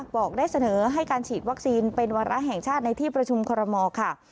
บอกได้เสนอให้การฉีดวัคซีนเป็นวาระแห่งชาติในที่ประชุมคอรมอลค่ะ